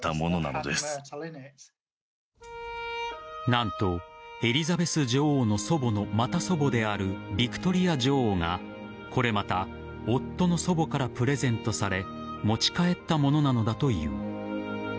何と、エリザベス女王の祖母の、また祖母であるビクトリア女王がこれまた夫の祖母からプレゼントされ持ち帰ったものなのだという。